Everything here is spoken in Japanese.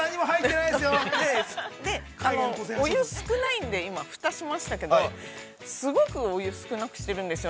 ◆お湯が少ないんで、今、ふたしましたけど、すごくお湯を少なくしてるんですよ。